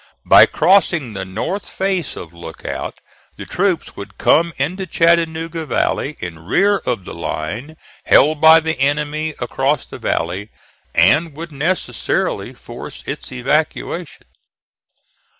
By crossing the north face of Lookout the troops would come into Chattanooga Valley in rear of the line held by the enemy across the valley, and would necessarily force its evacuation.